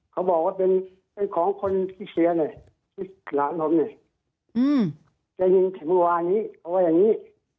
เขาบอกว่าเป็นเป็นของคนที่เสียเลยหลานผมเนี้ยอืมแต่ยังไม่ว่านี้เขาว่าอย่างนี้